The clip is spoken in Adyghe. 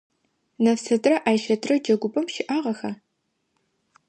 Нэфсэтрэ Айщэтрэ джэгупӏэм щыӏагъэха?